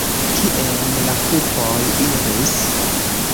Kien la pupoj iris?